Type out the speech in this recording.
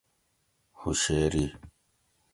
ہُوشیری